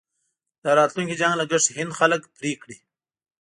د راتلونکي جنګ لګښت هند خلک پرې کړي.